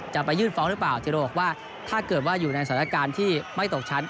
จะไปยื่นฟ้องหรือเปล่าจิโรบอกว่าถ้าเกิดว่าอยู่ในสถานการณ์ที่ไม่ตกชั้น